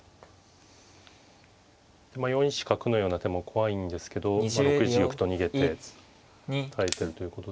４一角のような手も怖いんですけど６一玉と逃げて耐えてるということですね。